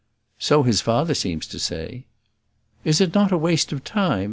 "So his father seems to say." "Is it not a waste of time?"